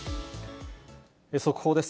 速報です。